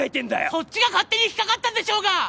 そっちが勝手に引っ掛かったんでしょうが！